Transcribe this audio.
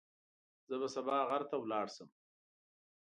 زه به سبا غر ته ولاړ شم.